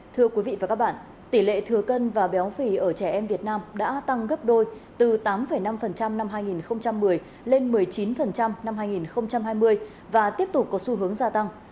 thưa quý vị và các bạn tỷ lệ thừa cân và béo phì ở trẻ em việt nam đã tăng gấp đôi từ tám năm năm hai nghìn một mươi lên một mươi chín năm hai nghìn hai mươi và tiếp tục có xu hướng gia tăng